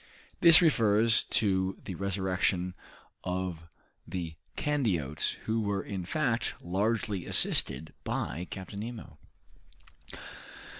(This refers to the resurrection of the Candiotes, who were, in fact, largely assisted by Captain Nemo.)